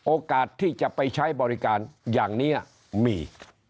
โอกาสที่จะไปใช้บริการอย่างนี้มี